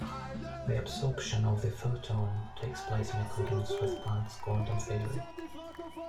The absorption of the photon takes place in accordance with Planck's quantum theory.